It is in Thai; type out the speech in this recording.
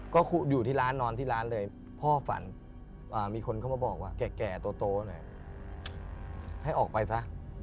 ก็อยู่ที่ร้านนอนที่ร้านเลยพ่อฝันมีคนเข้ามาบอกว่าแก่โตหน่อยให้ออกไปซะ